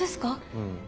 うん。